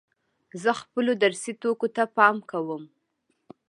زه خپلو درسي توکو ته پام کوم.